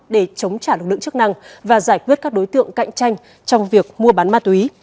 để chống trả lực lượng chức năng và giải quyết các đối tượng cạnh tranh trong việc mua bán ma túy